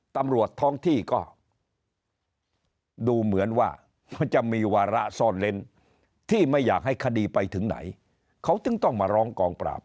ตำรวจท้องที่ก็ดูเหมือนว่ามันจะมีวาระซ่อนเล้นที่ไม่อยากให้คดีไปถึงไหนเขาถึงต้องมาร้องกองปราบ